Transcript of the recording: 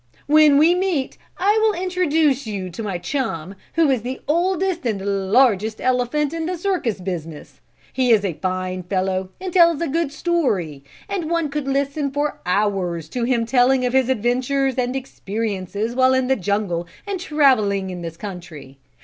"When we meet I will introduce you to my chum who is the oldest and largest elephant in the circus business. He is a fine fellow and tells a good story, and one could listen for hours to him telling of his adventures and experiences while in the jungle and traveling in this country.